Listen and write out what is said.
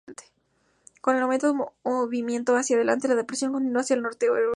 Con el aumento de movimiento hacia adelante, la depresión continuó hacia el norte-noreste.